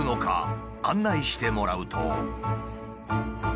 案内してもらうと。